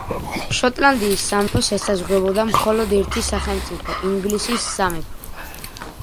შოტლანდიის სამეფოს ესაზღვრებოდა მხოლოდ ერთი სახელმწიფო, ინგლისის სამეფო.